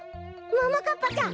ももかっぱちゃん。